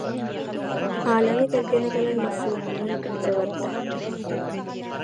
Аляны кэргэнэ кэлэн массыынанан илдьэ барда